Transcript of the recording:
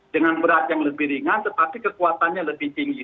dengan berat yang lebih ringan tetapi kekuatannya lebih tinggi